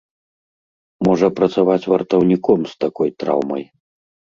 Можа працаваць вартаўніком з такой траўмай.